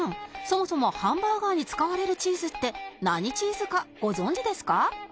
そもそもハンバーガーに使われるチーズって何チーズかご存じですか？